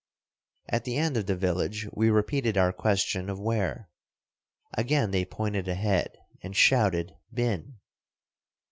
At the end of the village we repeated our question of where. Again they pointed ahead, and shouted, "Bin!"